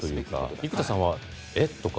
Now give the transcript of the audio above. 生田さんはえっとか